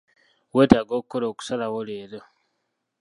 Wetaaga okukola okusalawo leero.